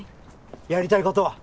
やりたいことは？